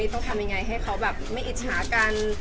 ต้องทำยังไงให้เขาแบบไม่อิจฉากัน